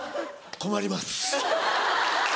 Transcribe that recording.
困ります。